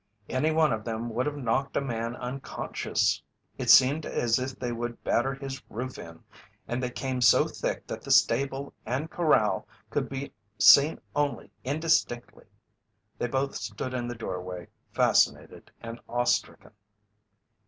Any one of them would have knocked a man unconscious. It seemed as if they would batter his roof in, and they came so thick that the stable and corral could be seen only indistinctly. They both stood in the doorway, fascinated and awe stricken.